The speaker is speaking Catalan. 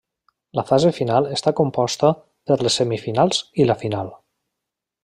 La fase final està composta per les semifinals i la final.